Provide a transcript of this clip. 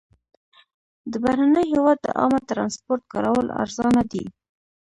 د بهرني هېواد د عامه ترانسپورټ کارول ارزانه دي.